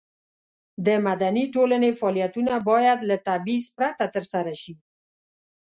د مدني ټولنې فعالیتونه باید له تبعیض پرته ترسره شي.